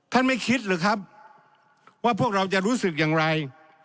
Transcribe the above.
ไม่คิดหรือครับว่าพวกเราจะรู้สึกอย่างไร